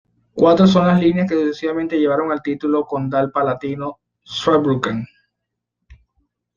Cuatro son las líneas que sucesivamente llevaron el título condal palatino Zweibrücken.